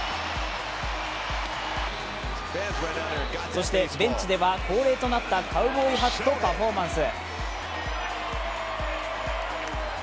そしてベンチでは恒例となったカウボーイハットパフォーマンス。